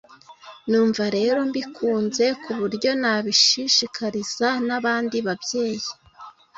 numva rero mbikunze ku buryo nabishishikariza n’abandi babyeyi”